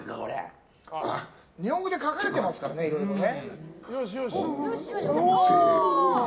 日本語で書かれていますからねいろいろね。